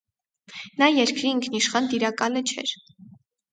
Նա երկրի ինքնիշխան տիրակալը չէր։